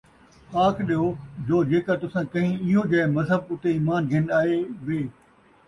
آکھ ݙیو، جو جیکر تُساں کہیں اِیہو جیہے مذہب اُتے اِیمان گِھن آئے وے